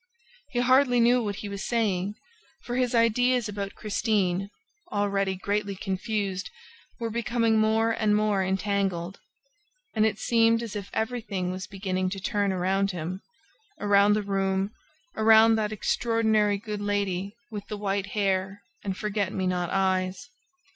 He hardly knew what he was saying, for his ideas about Christine, already greatly confused, were becoming more and more entangled; and it seemed as if everything was beginning to turn around him, around the room, around that extraordinary good lady with the white hair and forget me not eyes.